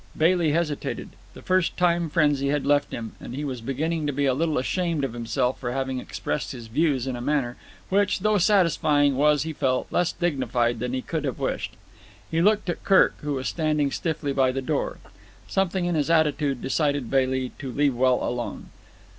Bailey hesitated. The first time frenzy had left him, and he was beginning to be a little ashamed of himself for having expressed his views in a manner which, though satisfying, was, he felt, less dignified than he could have wished. He looked at Kirk, who was standing stiffly by the door. Something in his attitude decided Bailey to leave well alone.